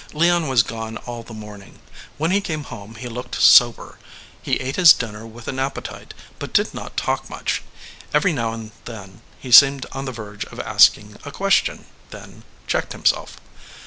Leon was gone all the morning. When he came home he looked sober. He ate his dinner with an appetite, but did not talk much. Every now and then he seemed on the verge of asking a question, then checked himself.